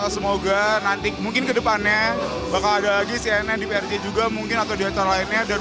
semoga nanti mungkin kedepannya bakal ada lagi cnn di prj juga mungkin atau di acara lainnya dan